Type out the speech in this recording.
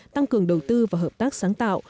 tăng cường đầu tư và hợp tác sáng tạo